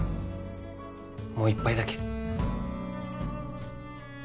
もう一杯だけ。